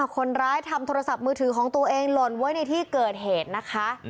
คนร้ายทำโทรศัพท์มือถือของตัวเองหล่นไว้ในที่เกิดเหตุนะคะ